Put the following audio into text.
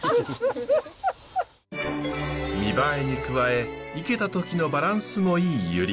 見栄えに加えいけた時のバランスもいいユリ。